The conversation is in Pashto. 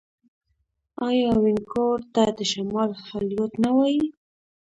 آیا وینکوور ته د شمال هالیوډ نه وايي؟